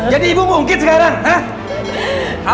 jadi ibu mungkin sekarang ha